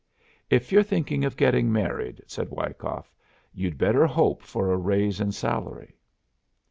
"If you're thinking of getting married," said Wyckoff, "you'd better hope for a raise in salary."